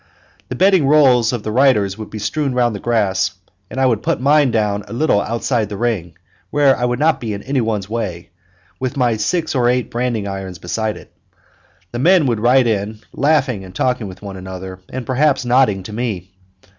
The bedding rolls of the riders would be strewn round the grass, and I would put mine down a little outside the ring, where I would not be in any one's way, with my six or eight branding irons beside it. The men would ride in, laughing and talking with one another, and perhaps nodding to me.